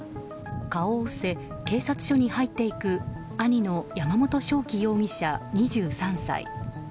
顔を伏せ警察署に入っていく兄の山本翔輝容疑者、２３歳。